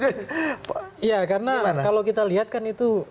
iya karena kalau kita lihat kan itu